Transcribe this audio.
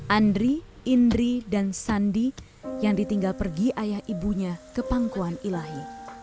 andri indri dan sandi yang ditinggal pergi ayah ibunya ke pangkuan ilahi